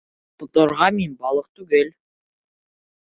Тоторға мин балыҡ түгел.